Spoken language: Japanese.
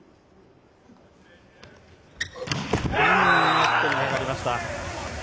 ネットにかかりました。